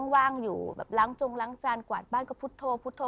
ว่างอยู่แบบล้างจงล้างจานกวาดบ้านก็พุทธโธพุทธโ